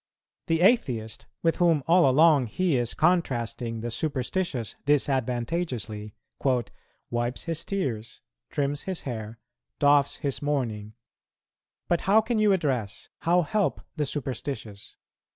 The Atheist," with whom all along he is contrasting the superstitious disadvantageously, "wipes his tears, trims his hair, doffs his mourning; but how can you address, how help the superstitious?